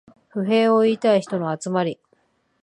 不平を言いたい人の集まり